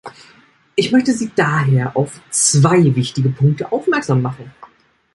Ich möchte Sie daher auf zwei wichtige Punkte aufmerksam machen.